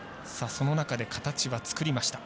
その中で形は作りました。